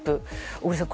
小栗さん